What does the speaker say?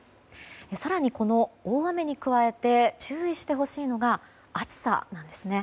更に、この大雨に加えて注意してほしいのが暑さなんですね。